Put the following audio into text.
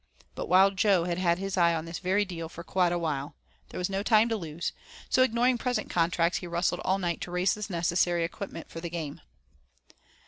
But Wild Jo had had his eye on this very deal for quite a while; there was no time to lose, so ignoring present contracts he rustled all night to raise the necessary equipment for the game.